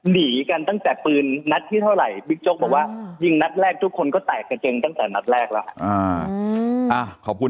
หนีกันตั้งแต่ปืนนัสที่เท่าไหร่